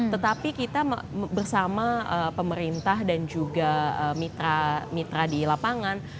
tetapi kita bersama pemerintah dan juga mitra mitra di lapangan